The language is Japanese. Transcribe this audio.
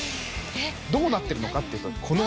どうなってるのかっていうとこの。